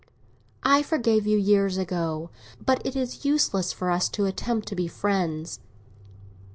"I forgave you years ago, but it is useless for us to attempt to be friends."